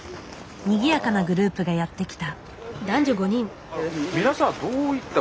にぎやかなグループがやって来た。